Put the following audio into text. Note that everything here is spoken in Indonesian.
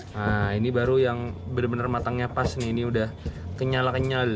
nah ini baru yang bener bener matangnya pas nih ini udah kenyal kenyal